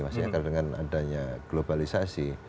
masih dengan adanya globalisasi